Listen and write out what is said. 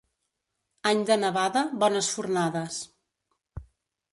Any de nevada, bones fornades.